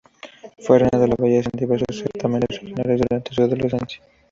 Fue reina de belleza en diversos certámenes regionales durante su adolescencia.